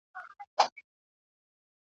په امریکا او هم په نړۍ کي ځان مشهور کړ `